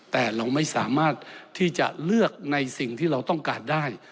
แต่เราไม่สามารถที่จะเลือกในสิ่งที่เราต้องการได้